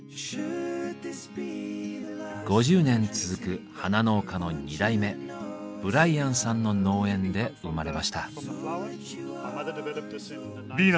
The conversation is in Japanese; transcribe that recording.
５０年続く花農家の二代目ブライアンさんの農園で生まれました。